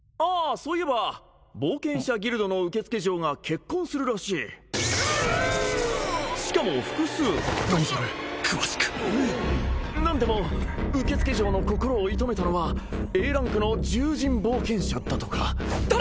そういえば冒険者ギルドの受付嬢が結婚するらしいしかも複数何それ詳しく何でも受付嬢の心を射止めたのはＡランクの獣人冒険者だとか誰！